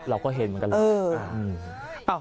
เราก็เห็นเหมือนกันแหละ